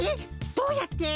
どうやって？